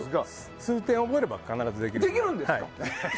数点覚えれば必ずできます。